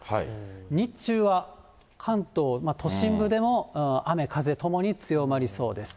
日中は関東、都心部でも雨、風ともに強まりそうです。